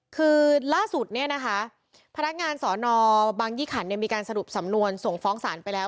คือล่าสุดเนี่ยนะคะพนักงานสอนอบางยี่ขันมีการสรุปสำนวนส่งฟ้องศาลไปแล้ว